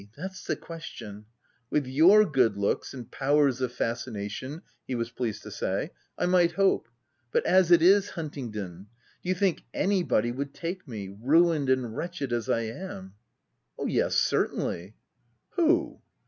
— that's the question — With your good looks and powers of fascination/ (he was pleased to say) ' I might hope ; but as it is, Huntingdon, do you think any body would take me— ruined and wretched as I am V "' Yes, certainly/ '"Who?'